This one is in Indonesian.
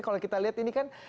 kalau kita lihat ini kan